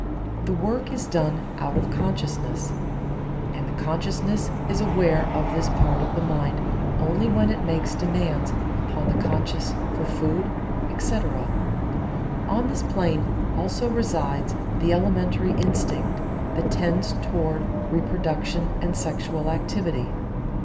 The work is done out of consciousness, and the consciousness is aware of this part of the mind only when it makes demands upon the conscious for food, etc. On this plane also resides the elementary instinct that tends toward reproduction and sexual activity.